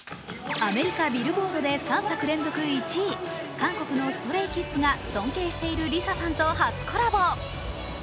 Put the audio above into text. アメリカ・ビルボードで３作連続１位韓国のＳｔｒａｙＫｉｄｓが尊敬しているＬｉＳＡさんと初コラボ。